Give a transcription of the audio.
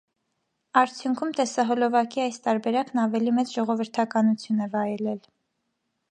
Արդյունքում տեսահոլովակի այս տարբերակն ավելի մեծ ժողովրդականություն է վայելել։